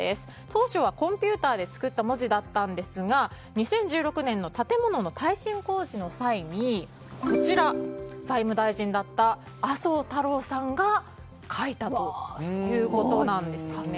当時はコンピューターで作った文字だったんですが２０１６年の建物の耐震工事の際に財務大臣だった麻生太郎さんが書いたということなんですね。